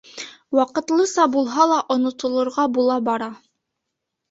Ваҡытлыса булһа ла онотолорға була бара.